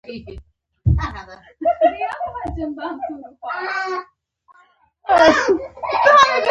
متلونه د ولس د پوهې او تجربو نچوړ دي